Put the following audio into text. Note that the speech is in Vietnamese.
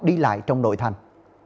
đi lại trong nội thành